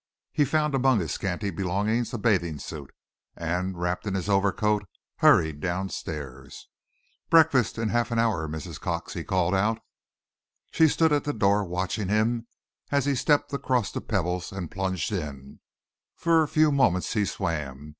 He found among his scanty belongings a bathing suit, and, wrapped in his overcoat, hurried down stairs. "Breakfast in half an hour, Mrs. Cox," he called out. She stood at the door, watching him as he stepped across the pebbles and plunged in. For a few moments he swam.